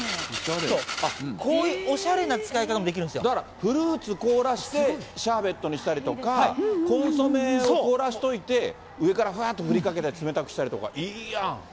こういうおしゃれな使い方もだからフルーツ凍らせてシャーベットにしたりとか、コンソメを凍らせといて、上からふわっと振りかけて冷たくしたりとか、いいやん。